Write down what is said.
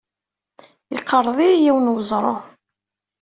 Yeqreḍ-iyi yiwen n weẓru.